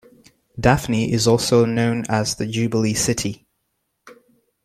Daphne is also known as the Jubilee City.